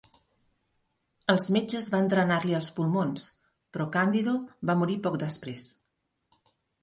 Els metges van drenar-li els pulmons, però Candido va morir poc després.